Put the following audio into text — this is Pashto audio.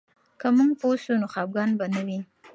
که موږ پوه سو، نو خفګان به نه وي.